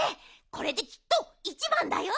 これできっといちばんだよ。